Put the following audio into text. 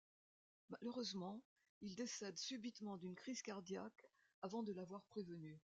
Malheureusement, il décède subitement d'une crise cardiaque avant de l'avoir prévenue.